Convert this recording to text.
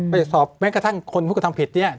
ไปสอบแม้กระทั่งคนพูดกระทั่งผิดนี้